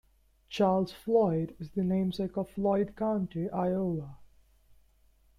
Charles Floyd is the namesake of Floyd County, Iowa.